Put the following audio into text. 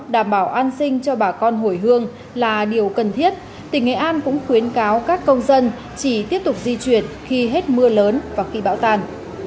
đảm bảo an sinh cho bà con hồi hương là điều cần thiết tỉnh nghệ an cũng khuyến cáo các công dân chỉ tiếp tục di chuyển khi hết mưa lớn và khi bão tàn